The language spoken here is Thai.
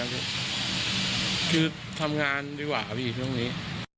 ใช่ครับคือทำงานนริหวะครับผมช่วงนี้